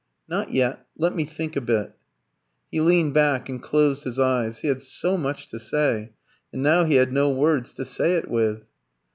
"Not yet. Let me think a bit." He leaned back and closed his eyes. He had so much to say, and now he had no words to say it with.